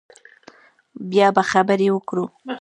بیا به خبرې وکړو